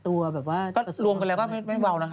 ตัวแบบว่าก็รวมกันแล้วก็ไม่เบานะคะ